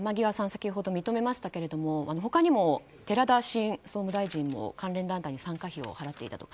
先ほど認めましたけども他にも寺田新総務大臣も関連団体に参加費を払っていたと。